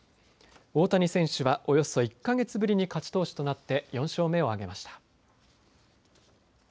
大谷選手はおよそ１か月ぶりに勝ち投手となって４勝目を挙げました。